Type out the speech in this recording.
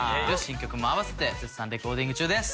新曲も合わせて絶賛レコーディング中です。